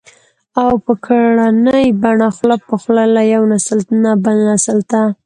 او په ګړنۍ بڼه خوله په خوله له يوه نسل نه بل نسل ته